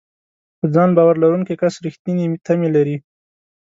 په ځان باور لرونکی کس رېښتینې تمې لري.